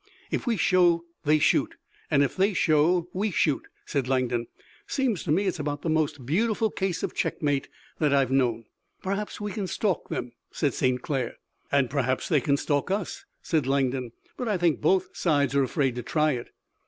"If we show they shoot, and if they show we shoot," said Langdon. "Seems to me it's about the most beautiful case of checkmate that I've known." "Perhaps we can stalk them," said St. Clair. "And perhaps they can stalk us," said Langdon. "But I think both sides are afraid to try it."